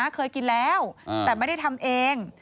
เคยกินแล้วแต่ไม่ได้ทำเอง